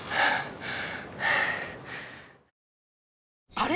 あれ？